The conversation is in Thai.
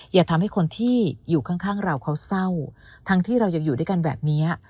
อย่าทำให้คนที่อยู่ข้างเราเขาเศร้าทั้งที่เรายังอยู่ด้วยกันแบบนี้